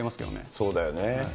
そうだよね。